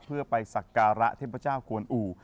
เพื่อไปศักราะเทพเจ้าควรอู